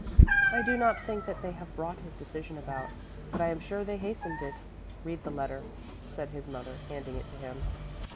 "I do not think that they have brought his decision about, but I am sure they hastened it. Read the letter," said his mother, handing it to him.